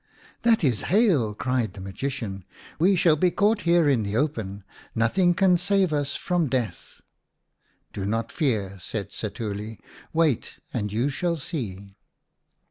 " That is hail," cried the magician ;" we shall be caught here in the open. Nothing can save us from death." " Do not fear," said Setuli ;" wait and you shall see."